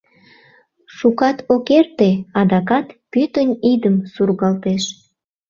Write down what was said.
Шукат ок эрте — адакат пӱтынь идым сургалтеш.